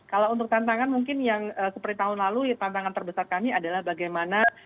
kalau untuk tantangan mungkin yang seperti tahun lalu tantangan terbesar kami adalah bagaimana